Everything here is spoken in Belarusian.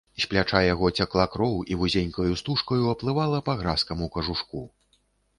З пляча яго цякла кроў і вузенькаю стужкаю аплывала па гразкаму кажушку.